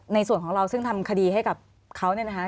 ในส่วนของเราซึ่งทำคดีให้กับเขาเนี่ยนะคะ